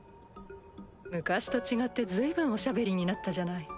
昔と違って随分おしゃべりになったじゃない。